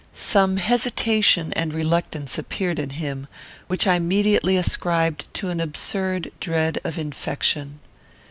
Some hesitation and reluctance appeared in him, which I immediately ascribed to an absurd dread of infection.